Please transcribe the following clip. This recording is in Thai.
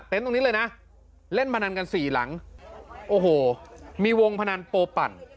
ตรงนี้เลยนะเล่นพนันกันสี่หลังโอ้โหมีวงพนันโปปั่น